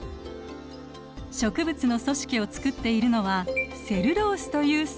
植物の組織を作っているのはセルロースという繊維。